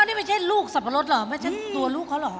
นี่ไม่ใช่ลูกสับปะรดเหรอไม่ใช่ตัวลูกเขาเหรอ